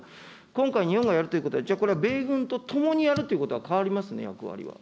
今回、日本がやるということは、じゃあ、これは米軍と共にやるということは変わりますね、役割は。